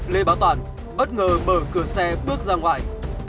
lê bá toàn bất ngờ mở cửa xe bước ra ngoài